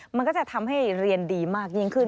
มันก็จะทำให้เรียนดีมากยิ่งขึ้น